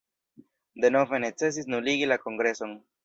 Denove necesis nuligi la kongreson.